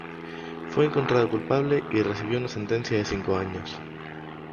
Fue encontrado culpable y recibió una sentencia de cinco años.